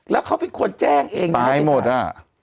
แล้วเขาเป็นคนแจ้งเองตายหมดอ่ะ